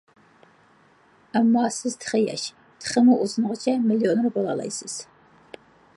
ئەمما سىز تېخى ياش، تېخىمۇ ئۇزۇنغىچە مىليونېر بولالايسىز.